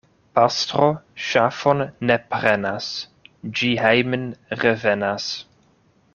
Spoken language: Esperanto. Pastro ŝafon ne prenas, ĝi hejmen revenas.